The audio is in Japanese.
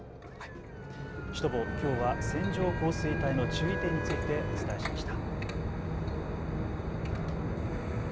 シュトボー、きょうは線状降水帯の注意点についてお伝えしました。